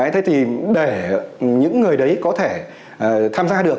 thế thì để những người đấy có thể tham gia được